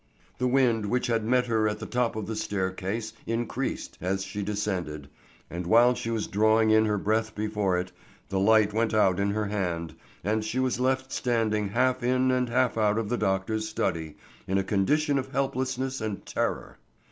The wind which had met her at the top of the staircase increased as she descended, and while she was drawing in her breath before it, the light went out in her hand and she was left standing half in and half out of the doctor's study in a condition of helplessness and terror.